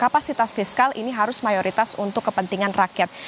kapasitas fiskal ini harus mayoritas untuk kepentingan rakyat